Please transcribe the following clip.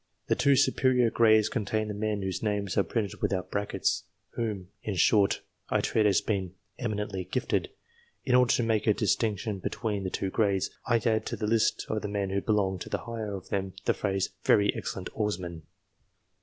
The two superior grades contain the men whose names are printed without brackets whom, in short, I treat as being " eminently gifted." In order to make a distinction between the two grades, I add to the names of the men who belong to the higher of them, the phrase "very excellent oarsmen."